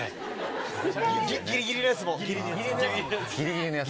ギリギリのやつ？